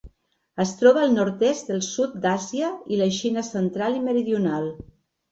Es troba al nord-oest del sud d'Àsia i la Xina central i meridional.